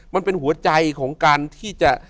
มันเป็นหัวใจของการที่จะ